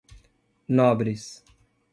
Nobres